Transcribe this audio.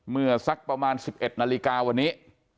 เมื่อสักประมาณ๑๑นาฬิกาวันนี้